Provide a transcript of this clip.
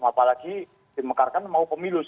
apalagi dimekarkan mau pemilu